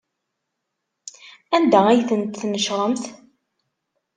Anda ay tent-tnecṛemt?